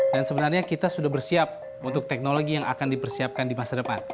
dan sebenarnya kita sudah bersiap untuk teknologi yang akan dipersiapkan di masa depan